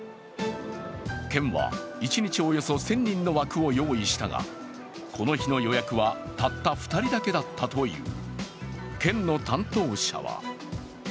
県は一日およそ１０００人の枠を用意したがこの日の予約はたった２人だけだったという。